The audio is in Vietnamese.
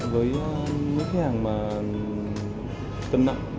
với những khách hàng mà cân nặng